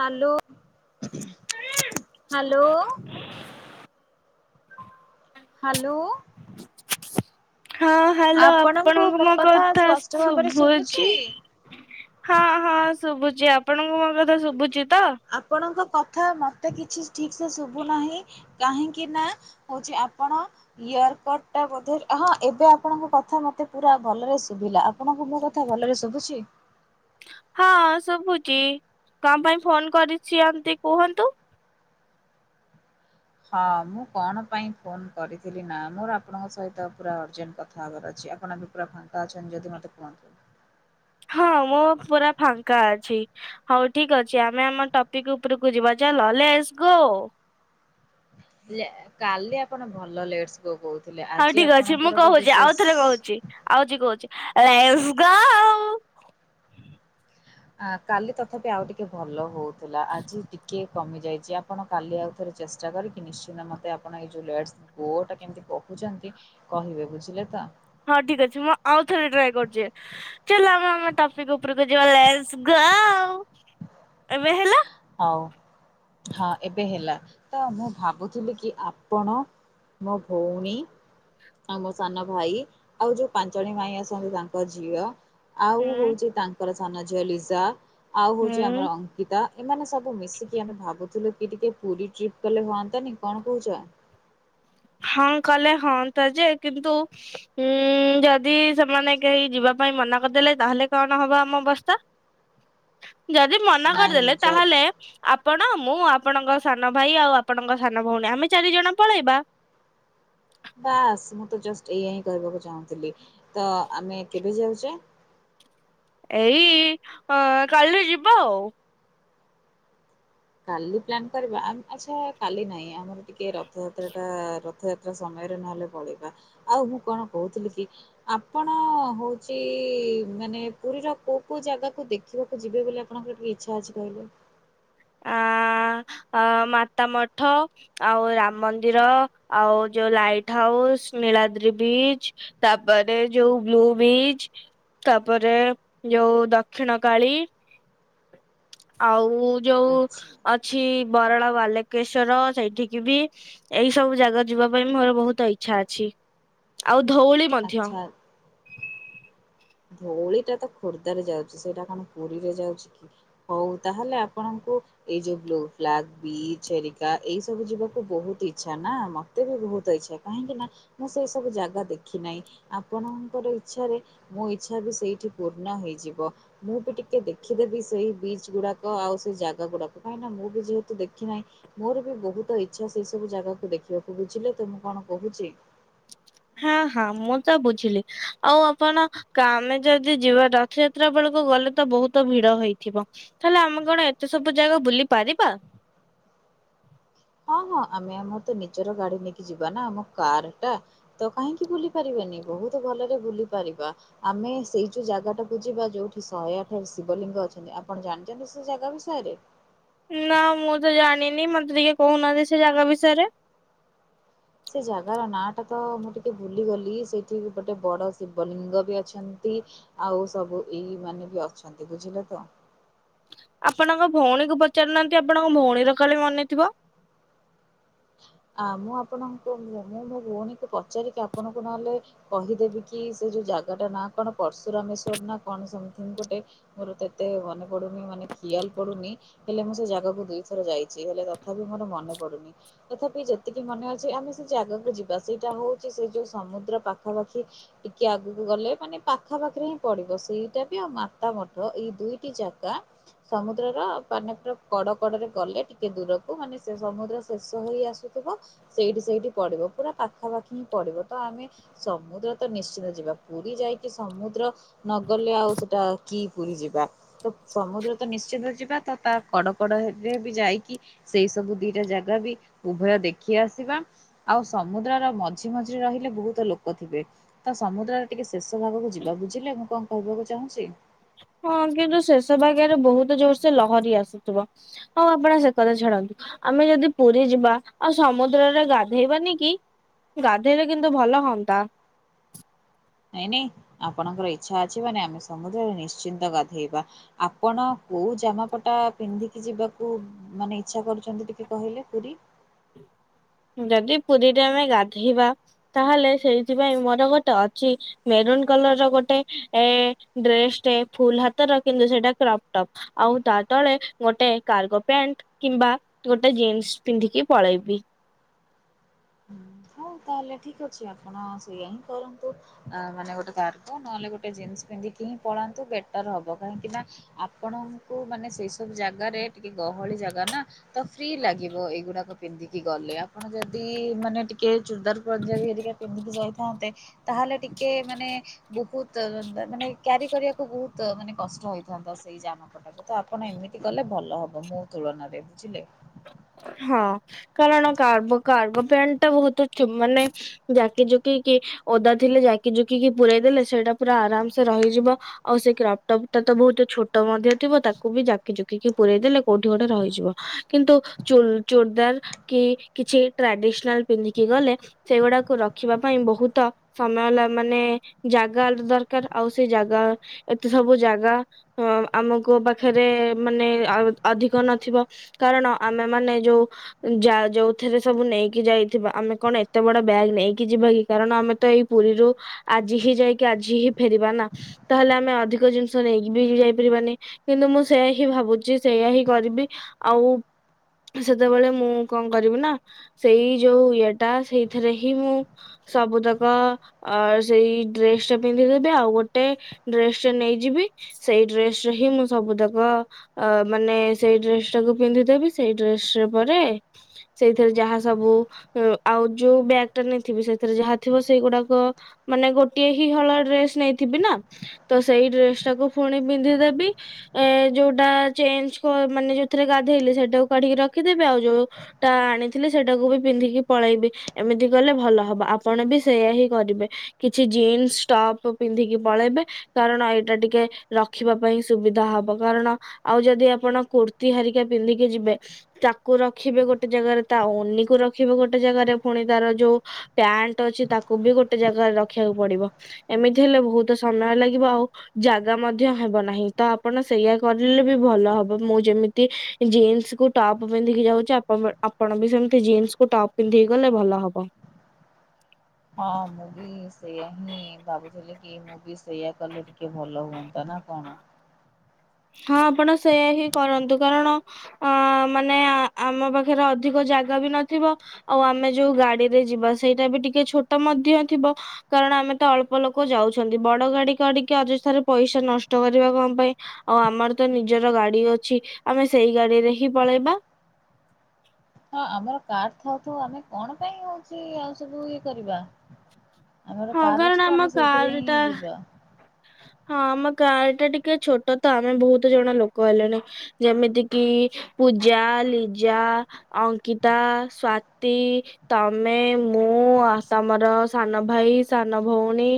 Hello, hello -ଲୋଁ। Hello. [unintelligible] ହଁ, hello ଆପଣଙ୍କୁ ମୋ କଥା ଶୁଭୁଚି? ହଁ, ହଁ, ଶୁଭୁଛି ଆପଣଙ୍କୁ ମୋ କଥା ଶୁଭୁଛି ତ! ଆପଣଙ୍କ କଥା ମୋତେ କିଛି ଠିକ୍ ସେ ଶୁଭୁନାହିଁ। କାହିଁକିନା ହଉଚି ଆପଣ। ଇୟରକଟ୍ ଟା ବୋଧେ ହଁ, ଏବେ ଆପଣଙ୍କ କଥା ମତେ ପୁରା ଭଲରେ ଶୁଭିଲା। ଆପଣଙ୍କୁ ମୋ କଥା ଭଲରେ ଶୁଭୁଛି? ହଁ, ଶୁଭୁଚି। କଣ ପାଇଁ ଫୋନ୍ କରିଛିଅନ୍ତି, ଏମିତି କୁହନ୍ତୁ? ହଁ, ମୁଁ କଣ ପାଇଁ ଫୋନ୍ କରିଥିଲି ନା, ମୋର ଆପଣଙ୍କ ସହିତ ପୁରା ଅର୍ଜେଣ୍ଟ କଥା ହବାର ଅଛି। ଆପଣ ବି ପୁରା ଫାଙ୍କା ଅଛନ୍ତି ଯଦି, ମୋତେ କୁହନ୍ତୁ? ହଁ, ମୁଁ ପୁରା ଫାଙ୍କା ଅଛି। ହଉ ଠିକ୍ ଅଛି। ଆମେ ଆମ ଟପିକ୍ ଉପରକୁ ଯିବା, ଚାଲ! Let's go! ଲେ କାଲି ଆପଣ ଭଲ ଲେଟ୍ ସ ଗୋ କହୁଥିଲେ। ହଉ ଆଜି ଆପଣଙ୍କର ବୋଧେ ଶେଷ୍ ଆଉଛି କହୁଚି, ଲେୟଶ୍ ଗୌ! ଆ କାଲି ତଥାପି ଆଉ ଟିକେ ଭଲ ହଉଥିଲା ଆଜି ଟିକେ କମି ଯାଇଛି। ଆପଣ କାଲି ଆଉ ଥରେ ଚେଷ୍ଟା କରିକି ନିଶ୍ଚିନ୍ତ ମୋତେ ଆପଣ ଏଇ ଯେଉଁ ଲେଟ ଗୋଟା କେମିତି କହୁଛନ୍ତି। କହିବେ ବୁଝିଲେ ତ? ହଁ ଠିକ ଅଛି ମୁଁ ଆଉ ଥରେ ଟ୍ରାଏ କରୂଛି। ଚାଲ ଆମେ ଆମ ଟପିକ ଉପରକୁ ଯିବା ଲେଟ୍ସ ଗୋ ଏବେ ହେଲା ହଉ ହଁ ଏବେ ହେଲା ତ ମୁଁ ଭାବୁଥିଲି କି ଆପଣ ମୋ ଭଉଣୀ ଆଉ ମୋ ସାନ ଭାଇ ଆଉ ଯଉ ପାଞ୍ଚଟି ଭାଇ ଅଛନ୍ତି ତାଙ୍କ ଝିଅ ଆଉ ହୁଁ ହଉଛି ତାଙ୍କର ସାନ ଝିଅ ଲିଜା ଆଉ ହଉଛି ହୁଁ। ଆମର ଅଙ୍କିତା ଏମାନେ ସବୁ ମିଶିକି ଆମେ ଭାବୁଥିଲୁ କି ଟିକେ ପୁରୀ ଟ୍ରିପ୍ କଲେ ହୁଅନ୍ତାନି କଣ କହୁଛ? ହଁ କଲେ ହଁତା ଯେ କିନ୍ତୁ ଉୁଁ ଯଦି ସେମାନେ କେହି ଯିବା ପାଇଁ ମନା କରିଦେଲେ ତାହେଲେ କଣ ହବ ଆମ ଅବସ୍ଥା? ଯଦି ମନା ନାଇଁ କରିଦେଲେ ଯ ତାହେଲେ ଆପଣ ମୁଁ ଆପଣଙ୍କ ସାନ ଭାଇ ଆଉ ଆପଣଙ୍କ ସାନ ଭଉଣୀ ଆମେ ଚାରି ଜଣ ପଳେଇବା। ବାସ୍ ମୁଁ ତ ଜଷ୍ଟ ଏଇା ହିଁ କରିବାକୁ ଚାହୁଁଥିଲି ତ ଆମେ କେବେ ଯାଉଛେ? ଏଇ ଅଁ କାଲି ଯିବା ଆଉ। କାଲି ପ୍ଲାନ୍ କରିବା ଆଚ୍ଛା କାଲି ନାହିଁ ଆମର ଟିକଏ ରଥଯାତ୍ରାଟା ରଥଯାତ୍ରା ସମୟରେ ନହେଲେ ପଳେଇବା ଆଉ ମୁଁ କଣ କହୁଥିଲି କି? ଆପଣ ହଉଛି ମାନେ ପୁରୀର କୋଉ କେଉଁ ଜାଗାକୁ ଦେଖ ଦେଖିବାକୁ ଜିବେ ବୋଲି ଆପଣଙ୍କର ଟିକେ ଇଚ୍ଛା ଅଛି କହିଲେ? ଆ ଆ ମାତା ମଠ ଆଉ ରାମ ମନ୍ଦିର ଆଉ ଯୋଉ ଲାଇଟ୍ ହାଉସ୍ ନୀଳାଦ୍ରି ବିଚ୍ ତାପରେ ଯୋଉ ବ୍ଲୁ ବିଚ୍ ତାପରେ ଯୋଉ ଦକ୍ଷିଣ କାଳୀ ଆଉ ଯୋଉ ଆଚ୍ଛା ଅଛି ବରାଳ ବାଲକେଶ୍ଵର ସେଇଠିକି ବି ଏଇ ସବୁ ଜାଗା ଯିବା ପାଇଁ ମୋର ବହୁତ ଇଛା ଅଛି, ଆଉ ଧଉଳି ମଧ୍ୟ। ଆଚ୍ଛା ହୁ [unintelligible] ଧଉଳି ଟା ତ ଖୋର୍ଦ୍ଧାରେ ଯାଉଛି ସେଇଟା କଣ ପୁରୀରେ ଯାଉଛି କି? ହଉ ତାହେଲେ ଆପଣଙ୍କୁ ଏଇ ଯୋଉ ବ୍ଲୁ ଫ୍ଲାଗ ବିଚ ଏରିକା ଏଇ ସବୁ ଯିବାକୁ ବହୁତ ଇଚଛା ନା ଆମ ମତେ ବି ବହୁତ ଇଛା କାହିଁକି ନା ମୁଁ ସେଇ ସବୁ ଜାଗା ଦେଖି ନାହିଁ ଆପଣଙ୍କର ଇଚ୍ଛାରେ ମୋ ଇଚ୍ଛା ବି ସେଇଠି ପୂର୍ଣ୍ଣ ହେଇଯିବ ମୁଁ ବି ଟିକେ ଦେଖିଦେବି ସେଇ ବିଚ୍ ଗୁଡାକ ଆଉ ସେଇ ଜାଗା ଗୁଡାକ କାହିଁନା ମୁଁ ବି ଯେହେତୁ ଦେଖି ନାହିଁ ମୋର ବି ବହୁତ ଇଚ୍ଛା ସେଇ ସବୁ ଜାଗାକୁ ଦେଖିବାକୁ ବୁଝିଲେ ତ ମୁଁ କଣ କହୁଛି‌? ହଁ ହଁ ମୁଁ ତ ବୁଝିଲି ଆଉ ଆପଣ କାମେ ଯଦି ଯିବା ରଥଯାତ୍ରା ବେଳକୁ ଗଲେ ତ ବହୁତ ଭିଡ ହେଇଥିବ। ତାହେଲେ ଆମେ କଣ ଏତେ ସବୁ ଜାଗା ବୁଲି ପାରିବା? ହଁ ହଁ ଆମେ ଆମର ତ ନିଜର ଗାଡି ନେଇକି ଯିବା ନା ଆମ କାର୍ ଟା। ତ କାହିଁକି ବୁଲି ପାରିବେନି ବହୁତ ଭଲରେ ବୁଲି ପାରିବା। ଆମେ ସେଇ ଯୋଉ ଜାଗା ଟାକୁ ଯିବା ଯୋଉଠି ଶହେ ଆଠ ଶିବଲିଙ୍ଗ ଅଛନ୍ତି ଆପଣ ଜାଣିଛନ୍ତି ସେ ଜାଗା ବିଷୟରେ? ନା ମୁଁ ତ ଜାଣିନି ମତେ ଟିକେ କହୁନାହାନ୍ତି ସେ ଜାଗା ବିଷୟରେ। ସେ ଜାଗାର ନାଁଟା ତ ମୁଁ ଟିକେ ଭୁଲିଗଲି ସେଇଠି ଗୋଟେ ବଡ଼ ଶିବଲିଙ୍ଗ ବି ଅଛନ୍ତି ଆଉ ସବୁ ଏଇ ମାନେ ବି ଅଛନ୍ତି ବୁଝିଲ ତ? ଆପଣଙ୍କ ଭଉଣୀକୁ ପଚାରୁନାହାନ୍ତି ଆପଣଙ୍କ ଭଉଣୀର କାଲେ ମନେ ଥିବ? ଆ ମୁଁ ଆପଣଙ୍କୁ ମୁଁ ମୋ ଭଉଣୀକୁ ପଚାରିକି ଆପଣଙ୍କୁ ନହେଲେ କହିଦେବି କି ସେ ଯୋଉ ଜାଗାଟା ନା କଣ ପରର୍ଶୁରାମେଶ୍ୱର ନା କଣ ସମଥିଙ୍ଗ ଗୋଟେ ମୋର ତ ଏତେ ମନେ ପଡୁନି ମାନେ ଖିଆଲ ପଡୁନି। ହେଲେ ମୁଁ ସେ ଜାଗାକୁ ଦୁଇଥର ଯାଇଚି ହେଲେ ତଥାପି ମୋର ମନେ ପଡୁନି ତଥାପି ଯେତିକି ମନେ ଅଛି ଆମେ ସେ ଜାଗାକୁ ଯିବା ସେଇଟା ହଉଚି ସେ ଯୋଉ ସମୁଦ୍ର ପାଖପାଖି ଟିକେ ଆଗକୁ ଗଲେ ମାନେ ପାଖା ପାଖରେ ହିଁ ପଡିବ। ସେଇଟା ବି ଆଉ ମାତା ମଠ ଏଇ ଦୁଇଟି ଜାଗା ସମୁଦ୍ରର ପାନତ୍ର କଡ କଡରେ ଗଲେ ଟିକେ ଦୂରକୁ ମାନେ ସେ ସମୁଦ୍ର ସେ ଷ ହେଇ ଆସୁଥିବ ସେଇଠି ସେଇଠି ପଡିବ ପୁରା ପାଖାପାଖି ହିଁ ପଡିବ। ତ ଆମେ ସମୁଦ୍ର ତ ନିଶ୍ଚିତ ଯିବା। ପୁରୀ ଯାଇକି ସମୁଦ୍ର ନଗଲେ ଆଉ ସେଟା କି ପୁରୀ ଯିବା? ତ ସମୁଦ୍ର ତ ନିଶ୍ଚିନ୍ତ ଯିବା ତ ତା କଡ କଡରେ ବି ବି ଯାଇକି ସେଇ ସବୁ ଦିଟା ଜାଗା ବି ଉଭୟ ଦେଖି ଆସିବା। ଆଉ ସମୁଦ୍ରର ମଝି ମଝିରେ ରହିଲେ ବହୁତ ଲୋକ ଥିବେ। ତ ସମୁଦ୍ରରେ ଟିକେ ଶେଷ ଭାଗକୁ ଯିବା ବୁଝିଲେ ମୁଁ କଣ କହିବାକୁ ଚାହୁଁଚି? ହଁ କିନ୍ତୁ ଶେଷ ଭାଗରେ ବହୁତ ଜୋର ସେ ଲହରୀ ଆସୁଥିବ। ହଁ ଆପଣ ସେ କଥା ଛାଡ଼ନ୍ତୁ ଆମେ ଯଦି ପୁରୀ ଯିବା ଆଉ ସମୁଦ୍ରରେ ଗାଧେଇବାନି କି? ଗାଧେଇଲେ କିନ୍ତୁ ଭଲ ହଅନ୍ତା। ନାଇଁ ନାଇଁ ଆପଣଙ୍କର ଇଚ୍ଛା ଅଛି ମାନେ ଆମେ ସମୁଦ୍ରରେ ନିଶ୍ଚିନ୍ତ ଗାଧେଇବା। ଆପଣ କୋଉ ଜାମା ପଟା ପିନ୍ଧିକି ଯିବାକୁ ମାନେ ଇଚ୍ଛା କରୁଚନ୍ତି ଟିକେ କହିଲେ ପୁରୀ? ଯଦି ପୁରୀରେ ଆମେ ଗାଧେଇବା ତାହେଲେ ସେଇଥିପାଇଁ ମୋର ଗୋଟେ ଅଛି ମେରୁନ୍ କଲର ର ଗୋଟେ ଏ ଡ୍ରେସଟେ ଫୁଲ୍ ହାତର କିନ୍ତୁ ସେଇଟା କ୍ରପ୍ ଟପ୍। ଆଉ ତା ତଳେ ଗୋଟେ କାର୍ଗୋ ପ୍ୟାଣ୍ଟ କିମ୍ବା ଗୋଟେ ଜିନ୍ସ୍ ପିନ୍ଧିକି ପଳେଇବି। ହଉ ତାହେଲେ ଠିକ୍ ଅଛି ଆପଣ ସେଇଆ ହିଁ କରନ୍ତୁ। ଆ ମାନେ ଗୋଟେ କାର୍ଗୋ ନହେଲେ ଗୋଟେ ଜିନ୍ସ୍ ପିନ୍ଧିକି ହିଁ ପଳାନ୍ତୁ ବେଟର ହବ। କାହିଁକି ନା ଆପଣଙ୍କୁ ମାନେ ସେଇ ସବୁ ଜାଗାରେ ଟିକେ ଗହଳି ଜାଗା ନା। ତ ଫ୍ରି ଲାଗିବ ଏଇଗୁଡାକ ପିନ୍ଧିକି ଗଲେ ଆପଣ ଯଦି ମାନେ ଟି କେ ଚୁର୍ଦାର ପଞ୍ଜାବୀ ହେରିକା ପିନ୍ଧିକି ଯାଇଥାନ୍ତେ ତାହେଲେ ଟିକେ ମାନେ ବହୁତ ମାନେ କ୍ୟାରି କରିବାକୁ ବହୁତ ମାନେ କଷ୍ଟ ହେଇଥାନ୍ତା ସେଇ ଯାମାପ ଟାକୁ ତ ଆପଣ ଏମିତି ଗଲେ ଭଲ ହବ ମୋ ତୁଳନାରେ ବୁଝିଲେ। ହଁ କାରଣ କାର୍ବୋ କାର୍ଗୋ ପ୍ୟାଣ୍ଟ ଟା ବହୁତ ମାନେ ଜାକି ଜୁକିକି ଓଦା ଥିଲେ ଜାକି ଜୁକିକି ପୁରାଇ ଦେଲେ ସେଇଟା ପୁରା ଆରାମ୍ ସେ ରହିଯିବ। ଆଉ ସେଇ କ୍ରପ୍ ଟପ୍ ଟା ତ ବହୁତ ଛୋଟ ମଧ୍ୟ ଥିବ ତାକୁ ବି ଜାକି ଜୁକିକି ପୁରେଇ ଦେଲେ କୋଉଠି ଗୋଟେ ରହିଯିବ। କିନ୍ତୁ ଚୁର୍ ଚୂର୍ଦାର୍ କି କିଛି ଟ୍ରାଡିସନାଲ ପିନ୍ଧିକି ଗଲେ ସେଗୁଡାକୁ ର ଖିବା ପାଇଁ ବହୁତ ସମୟ ମାନେ ଜାଗା ଦରକାର ଆଉ ସେଇ ଜାଗା ଏତେ ସବୁ ଜାଗା ହଁ ଆମକୁ ପାଖରେ ମାନେ ଆଉ ଅଧିକ ନଥିବ କାରଣ ଆମେମାନେ ଯୋଉ ଯା ଯୋଉଥିରେ ସବୁ ନେଇକି ଯାଇଥିବା ଆମେ କଣ ଏତେ ବଡ ବ୍ୟାଗ୍ ନେଇକି ଯିବା କି? କାରଣ ଆମେ ତ ଏଇ ପୁରୀରୁ ଆଜି ହିଁ ଯାଇକି ଆଜି ହିଁ ଫେରିବା ନା। ତାହେଲେ ଆମେ ଅଧିକ ଜିନିଷ ନେଇକି ବି ଯାଇପାରିବାନି। କିନ୍ତୁ ମୁଁ ସେଇୟା ହି ଭାବୁଚି ସେଇୟା ହି କରିବି। ଆଉ ସେତେବେଳେ ମୁଁ କଣ କରିବି ନା ସେଇ ଯୋଉ ଇଏ ଟା ସେଇଥିରେ ହିଁ ମୁଁ ସବୁତକ ଅ ସେଇ ଡ୍ରେସ୍ଟା ପିନ୍ଧିଦେବି ଆଉ ଗୋଟେ ଡ୍ରେସ୍ଟେ ନେଇଯିବି ସେଇ ଡ୍ରେସରେହିଁ ମୁଁ ସବୁତକ ଅ ମାନେ ସେଇ ଡ୍ରେସ୍ ଟାକୁ ପିନ୍ଧିଦେବି ସେଇ ଡ୍ରେସରେ ପରେ ସେଇଥିରେ ଯାହା ସବୁ ଉଁ ଆଉ ଯୋଉ ବ୍ୟାକ୍ଳଟା ନେଇଥିବି ସେଥିରେ ଯାହା ଥିବ ସେଇଗୁଡ଼ାକ ମାନେ ଗୋଟିଏହି ହଳ ଡ୍ରେସ୍ ନେଇଥିବିନା ତସେଇ ଡ୍ରେସ୍ ଟାକୁୁ ଫୁଣି ପିନ୍ଧିଦେବି ଏ ଯୋଉଟା ଚେଞ୍ଜ୍ କ ମାନେ ଯୋଉଥିରେ ଗାଧେଇଲି ସେଇଟାକୁ କାଢିକି ରଖିଦେବି, ଆଉ ଯୋଉ ଟା ଆଣିଥିଲି ସେଟାକୁବି ପିନ୍ଧିକି ପଳେଇବି। ଏମିତି କଲେ ଭଲ ହବ ଆପଣବି ସେଇୟାହି କରିବେ। କିଛି ଜିନ୍ସ୍ ଟପ୍ ପିନ୍ଧିକି ପଳେଇବେ କାରଣ ଏଇଟା ଟିକେ ରଖିବା ପାଇଁ ସୁବିଧା ହବ କାରଣ ଆଉ ଯଦି ଆ ଆପଣ କୁର୍ତ୍ତି ହାରିକା ପିନ୍ଧିକି ଯିବେ ତାକୁ ରଖିବେ ଗୋଟେ ଜାଗାରେ ତାଓନିକୁ ରଖିବେ ଗୋଟେ ଜାଗାରେ ପୁଣି ତାର ଯୋଉ ପ୍ୟାଣ୍ଟ ଅଛି ତାକୁବି ଗୋଟେ ଜାଗାରେ ରଖିବାକୁ ପଡ଼ିବ, ଏମିତି ହେଲେ ବହୁତ ସମୟ ଲାଗିବ ଆଉ ଜାଗା ମଧ୍ୟ ହେବ ନାହିଁ ତଆପଣ ସେଇୟା କରିଲେବି ଭଲ ହବ ମୁଁ ଯେମିତି ଜିନ୍ସକୁ ଟପ୍ ପନ୍ଧିକି ଯାଉଚି ଆପଣ ଆପଣବି ସେମିତି ଜିନ୍ସକୁୁ ଟପ୍ ପିନ୍ଧିକି ଗଲେ ଭଲ ହବ। ହଁ ମୁଁବି ସେଇୟାହିଁ ଭାବୁଥିଲିକି ମୁଁବି ସେଇୟା କଲେ ଟିକେ ଭଲ ହୁଅନ୍ତାନା କଣ? ହଁ ଆପଣ ସେଇୟାହିଁ କରନ୍ତୁ କାରଣ ଅ ମାନେ ଆମ ପାଖରେ ଅଧିକ ଜାଗାବି ନଥିବ ଆଉ ଆମେ ଯୋଉ ଗାଡ଼ିରେ ଯିବା ସେଇଟାବି ଟିକେ ଛୋଟ ମଧ୍ୟ ଥିବ କାରଣ ଆମେତ ଅଳ୍ପ ଲୋକ ଯାଉଛନ୍ତି ବଡ଼ ଗାଡ଼ି କାଡ଼ିକି ଅଯଥାରେ ପଇସା ନଷ୍ଟ କରିବା କଣ ପାଇଁ ଆଉ ଆମରତ ନିଜର ଗାଡ଼ି ଅଛି ଆମେ ସେଇ ଗାଡ଼ିରେହିଁ ପଳେଇବା ହଁ ଆମର କାର୍ ଥାଉଥଉ ଆମେ କଣ ପାଇଁ ହଉଚି ଆଉ ସବୁ ଇଏ କରିବା। ଆମର ହଁ କାର କାରଣ ଅଛିତ ଆମ ଆମେ କାର ସେଇଥିରେହିଁ ଟା ଯିବା। ହଁ ଆମ କାରଟା ଟିକେ ଛୋଟତ ଆମେ ବହୁତ୍ ଜଣ ଲୋକ ହେଲେଣି ଯେମିତିକିି ପୂଜା ଲିଜା ଅଙ୍କିତା ସ୍ଵାତି ତମେ ମୁଁ ତମର ସାନ ଭାଇ ସାନ ଭଉଣୀ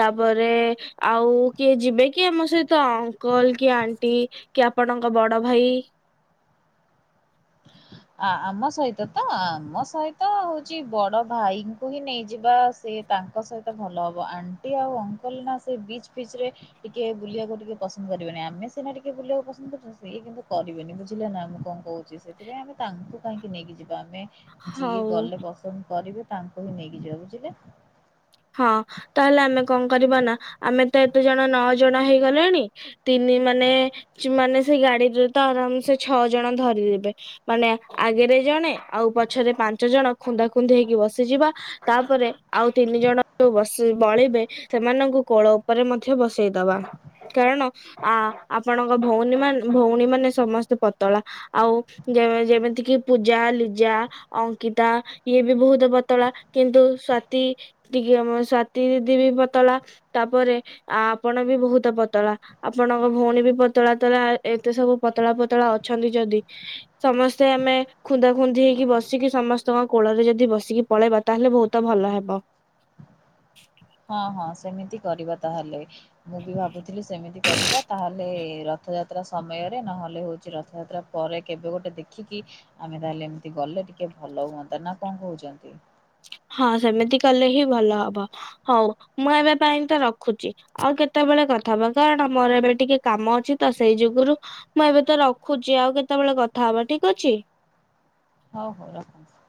ତାପରେ ଆଉ କିଏ ଯିବେକି ଆମ ସହିତ ଅଙ୍କଲ କି ଆଣ୍ଟି କି ଆପଣଙ୍କ ବଡ଼ ଭାଇ [inaudible] ଆ ଆମ ସହିତତ ଆମ ସହିତ ହଉଚି ବଡ଼ ଭାଇଙ୍କୁ ହିଁ ନେଇଯିବା ସେ ତାଙ୍କ ସହିତ ଭଲ ହବ ଆଣ୍ଟି ଆଉ ଅଙ୍କଲନା ସେ ବିଚ୍ ଫିଚ୍ରେ ଟିକେ ବୁଲିବାକୁ ଟିକେ ପସନ୍ଦ କରିବେନି ଆମେ ସେନା ଟିକେ ବୁଲିବାକୁ ପସନ୍ଦ କରୁଚୁ ସିଏ କିନ୍ତୁ କରିବେନି ବୁଝିଲେନା ମୁଁ କଣ କ ସେଥିପାଇଁ ଆମେ ତାଙ୍କୁ କାହିଁକି ନେଇକି ଯିବା ଆମେ ଯିଏ ହଉ ଗଲେ ପସନ୍ଦ କରିବେ ତାଙ୍କୁହିଁ ନେଇକି ଯିବା ବୁଝିଲେ। ହଁ ତାହେଲେ ଆମେ କଣ କରିବାନା ଆମେତ ଏତେ ଜଣ ନଅ ଜଣ ହେଇଗଲେଣି ତିନି ମାନେ ସେମାନେ ସେଗାଡ଼ିରେତ ଆରାମସେ ଛଅ ଜଣ ଧରିଦେବେ ମାନେ ଆଗରେ ଜଣେ ଆଉ ପଛରେ ପାଞ୍ଚ ଜଣ ଖୁନ୍ଦା ଖୁନ୍ଦି ହେଇକି ବସିଯିବା ତାପରେ ଆଉ ତିନି ଜଣ ବସି ବଳିବେ ସେମାନଙ୍କୁ କୋଳ ଉପରେ ମଧ୍ୟ ବସେଇ ଦବା କାରଣ ଆ ଆପଣଙ୍କ ଭଉନି ମାନ ଭଉଣୀ ମାନେ ସମସ୍ତେ ପତଳା ଆଉ ଯେ ଯେମିତିକିି ପୂଜା ଲିଜା ଅଙ୍କିତା ଇଏ ବି ବହୁତ ପତଳା କିନ୍ତୁ ସ୍ଵାତି ଟିକେ ଆମ ସ୍ଵାତି ଦିଦି ବି ପତଳା ତାପରେ ଆପଣ ବି ବହୁତ ପତଳା ଆପଣଙ୍କ ଭଉଣୀ ବି ପତଳା ତଳା ଏତେ ସବୁ ପତଳା ପତଳା ଅଛନ୍ତି ଯଦି ସମସ୍ତେ ଆମେ ଖୁନ୍ଦା ଖୁନ୍ଦି ହେଇକି ବସିକି ସମସ୍ତଙ୍କ କୋଳରେ ଯଦି ବସିକି ପଳେଇବା ତାହେଲେ ବହୁତ ଭଲ ହେବ ହଁ ହଁ ସେମିତି କରିବା ତାହେଲେ ମୁଁ ବି ଭାବୁଥିଲି ସେମିତି କରିବା ତାହେଲେ ରଥଯାତ୍ରା ସମୟରେ ନହେଲେ ହେଉଛି ରଥଯାତ୍ରା ପରେ କେବେ ଗୋଟେ ଦେଖିକି ଆମେ ତାହେଲେ ଏମିତି ଗଲେ ଟିକେ ଭଲ ହୁଅନ୍ତା ନା କଣ କହୁଛନ୍ତି? ହଁ ସେମିତି କଲେ ହିଁ ଭଲ ହବ ହଉ ମୁଁ ଏବେ ପାଇଁ ତ ରଖୁଛି ଆଉ କେତେବେଳେ କଥା ହବା କାରଣ ଆମର ଏବେ ଟିକେ କାମ ଅଛି ତ ସେଇ ଯୁଗୁରୁ ମୁଁ ଏବେ ତ ରଖୁଛି ଆଉ କେତେବେଳେ କଥା ହବା ଠିକ ଅଛି ହଉ ହଉ ରଖନ୍ତୁ